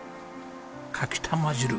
かきたま汁。